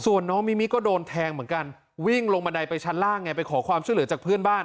ส่วนน้องมิมิก็โดนแทงเหมือนกันวิ่งลงบันไดไปชั้นล่างไงไปขอความช่วยเหลือจากเพื่อนบ้าน